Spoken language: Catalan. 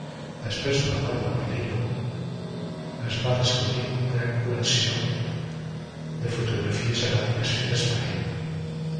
Després de la mort de Mollino, es va descobrir una gran col·lecció de fotografies eròtiques fetes per ell.